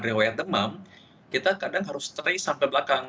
rewet demam kita kadang harus stay sampai belakang